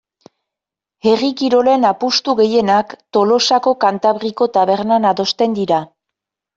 Herri kirolen apustu gehienak Tolosako Kantabriko tabernan adosten dira.